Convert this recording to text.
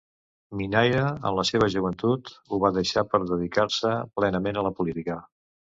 Minaire en la seva joventut, ho va deixar per a dedicar-se plenament a la política.